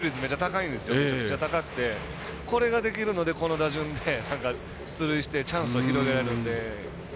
中村選手、出塁率めちゃくちゃ高くてこれができるのでこの打順で出塁してチャンスを広げられるんで。